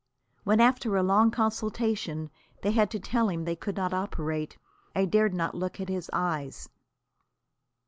When after a long consultation they had to tell him they could not operate, I dared not look at his eyes.